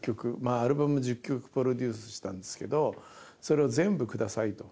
アルバム１０曲プロデュースしたんですけどそれを全部くださいと。